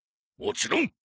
もちろん。